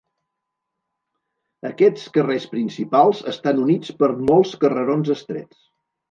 Aquests carrers principals estan units per molts carrerons estrets.